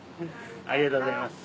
ありがとうございます。